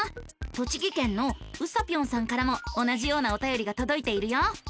栃木県のうさぴょんさんからも同じようなおたよりがとどいているよ。